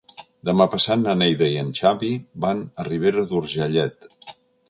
Demà passat na Neida i en Xavi van a Ribera d'Urgellet.